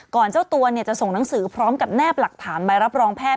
เจ้าตัวจะส่งหนังสือพร้อมกับแนบหลักฐานใบรับรองแพทย